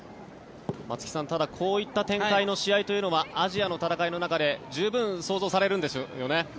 松木さん、ただこういった展開の試合というのはアジアの戦いの中で十分想像されるんですよね。